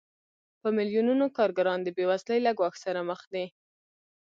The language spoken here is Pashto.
په میلیونونو کارګران د بېوزلۍ له ګواښ سره مخ دي